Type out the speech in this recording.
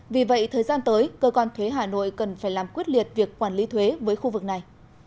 vì vậy thời gian tới cơ quan thuế hà nội cần phải làm quyết liệt việc quản lý thuế với khu vực này